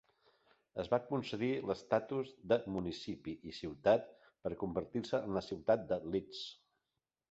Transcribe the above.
Es va concedir l'estatus de municipi i ciutat per convertir-se en la ciutat de Leeds.